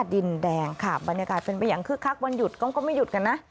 ดินแดงค่ะบรรยากาศเป็นไปอย่างคึกคักวันหยุดก็ไม่หยุดกันนะ